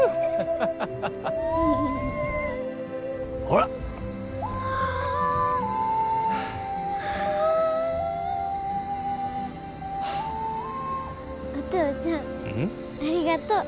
ありがとう。